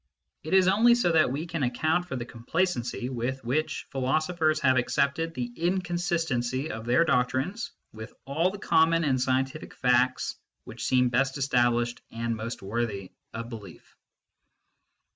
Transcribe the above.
It is only so that we can account for the complacency with which philo sophers have accepted the inconsistency of their doctrines with all the common and scientific facts which seem best established and most worthy of belief.